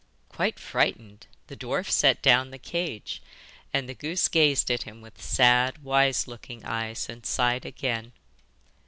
Quite frightened, the dwarf set down the cage, and the goose gazed at him with sad wise looking eyes and sighed again.